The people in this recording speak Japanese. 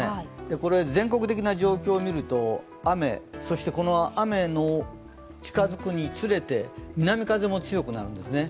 これは全国的な状況を見ると、雨、そしてこの雨の近づくにつれて南風も強くなるんですね。